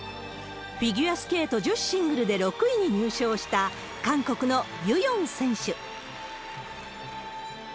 フィギュアスケート女子シングルで６位に入賞した、韓国のユ・ヨン選手。